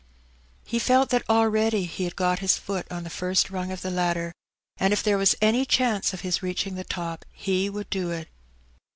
He felt that already he had got his foot on the first rung of the ladder, and if there was any chance of his reaching the top he would do it.